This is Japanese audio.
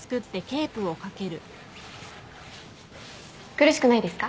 苦しくないですか？